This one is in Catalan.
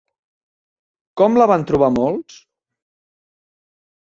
Com la van trobar molts?